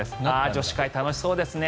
女子会、楽しそうですね。